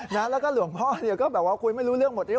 แล้วก็หลวงพ่อเนี่ยก็แบบว่าคุยไม่รู้เรื่องหมดเรื้อ